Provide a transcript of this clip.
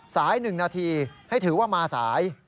๑นาทีให้ถือว่ามาสาย